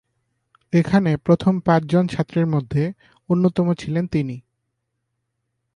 এখানে প্রথম পাঁচ জন ছাত্রের মধ্যে অন্যতম ছিলেন তিনি।